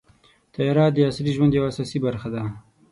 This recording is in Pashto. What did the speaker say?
طیاره د عصري ژوند یوه اساسي برخه ده.